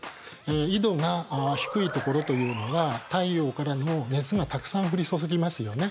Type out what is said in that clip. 緯度が低い所というのは太陽からの熱がたくさん降り注ぎますよね。